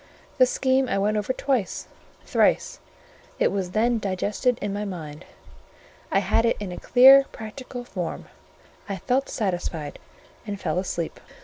This scheme I went over twice, thrice; it was then digested in my mind; I had it in a clear practical form: I felt satisfied, and fell asleep.